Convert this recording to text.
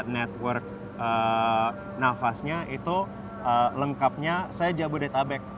network nafasnya itu lengkapnya saya jabodetabek